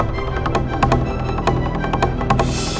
tunggu aku mau cari